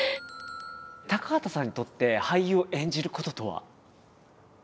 高畑さんにとって俳優を演じることとは？